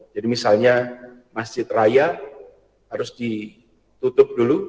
jadi misalnya masjid raya harus ditutup dulu